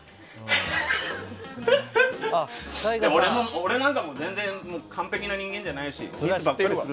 俺なんかも全然完璧な人間じゃないしミスもする。